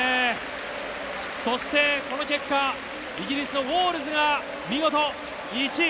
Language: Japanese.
そして、この結果、イギリスのウォールズが見事１位。